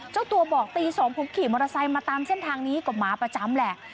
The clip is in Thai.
เจ้าตัวบอกตี๒ผมขี่มอเตอร์ไซค์มาตามเส้นทางนี้ก็มาประจำแหละ